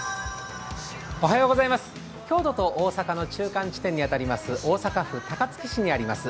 京都と大阪の中間地点に当たります大阪府高槻市にあります